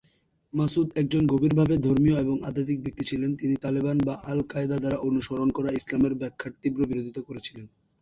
মাসুদ একজন গভীরভাবে ধর্মীয় এবং আধ্যাত্মিক ব্যক্তি ছিলেন, যিনি তালেবান বা আল-কায়েদা দ্বারা অনুসরণ করা ইসলামের ব্যাখ্যার তীব্র বিরোধিতা করেছিলেন।